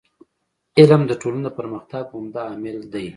علم د ټولني د پرمختګ عمده عامل دی.